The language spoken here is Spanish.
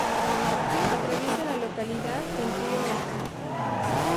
Atraviesa la localidad el río Oca.